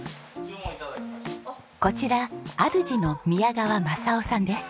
こちら主の宮川正夫さんです。